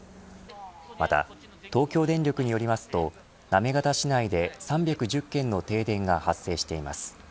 また、東京電力によりますと行方市内で３１０軒の停電が発生しています。